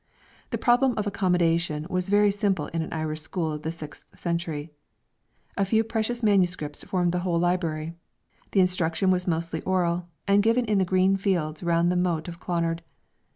The problem of accommodation was very simple in an Irish school of the sixth century. A few precious manuscripts formed the whole library. The instruction was mostly oral, and given in the green fields round the moat of Clonard.